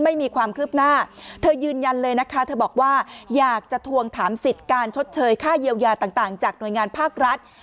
ไม่มีความคืบหน้าเธอยืนยันเลยนะคะเธอบอกว่าอยากจะทวงถามสิทธิ์การชดเชยค่าเยียวยาต่างจากหน่วยงานภาครัฐ